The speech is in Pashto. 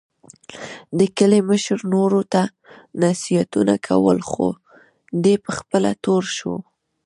د کلي مشر نورو ته نصیحتونه کول، خو دی په خپله تور شو.